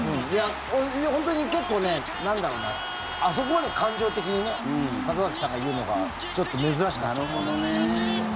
本当に結構あそこまで感情的に里崎さんが言うのがちょっと珍しかった。